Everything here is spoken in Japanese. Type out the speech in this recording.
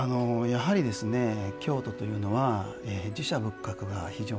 やはりですね京都というのは寺社仏閣が非常に多いですよね。